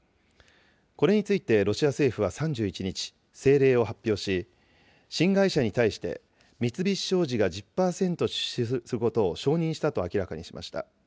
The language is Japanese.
これについてロシア政府は３１日、政令を発表し、新会社に対して、三菱商事が１０％出資することを承認したと明らかにしました。